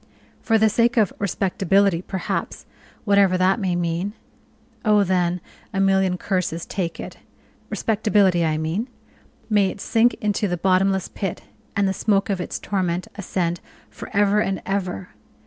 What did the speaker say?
For the sake of respectability, perhaps, whatever that may mean. Oh, then, a million curses take it respectability, I mean; may it sink into the bottomless pit, and the smoke of its torment ascend for ever and ever!